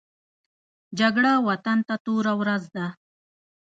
جګړه وطن ته توره ورځ ده